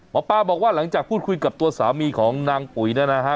หมอปลาบอกว่าหลังจากพูดคุยกับตัวสามีของนางปุ๋ยนะฮะ